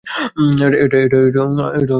এটা খুব ছোট!